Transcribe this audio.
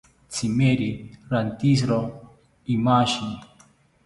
Tzimeri rantizro imashi